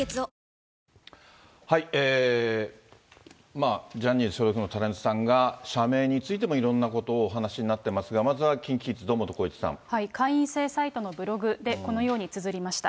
まあ、ジャニーズ所属のタレントさんが、社名についてもいろんなことをお話しになってますが、まずはＫｉｎＫｉ会員サイトのブログで、このようにつづりました。